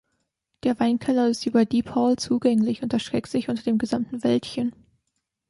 Der Weinkeller ist über Deep Hall zugänglich und erstreckt sich unter dem gesamten Wäldchen.